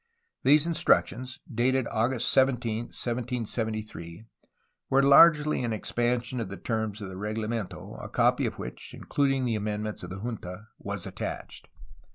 These instructions, dated August 17, 1773, were largely an expansion of the terms of the reglamento, a copy of which (including the amendments of the junta) was attached.